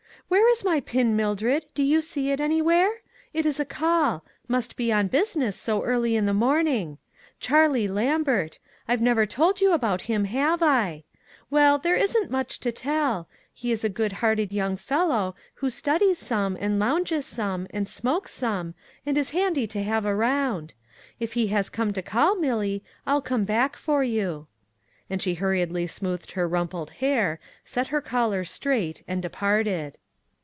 " Where is my pin, Mildred, do you see it anywhere? It is a call; must be on busi ness so early in the morning. Charlie Lambert ; I've never told you about him, have I? Well, there isn't much to tell; he is a good hearted young fellow, who studies some, and lounges some, and smokes some, and is handy to have around. If he has come to call, Milly, I'll come back for you," and she hurriedly smoothed her rumpled hair, set her collar straight and departed.